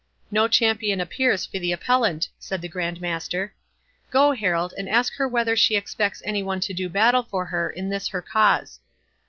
"No champion appears for the appellant," said the Grand Master. "Go, herald, and ask her whether she expects any one to do battle for her in this her cause."